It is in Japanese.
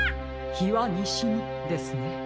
「日はにしに」ですね。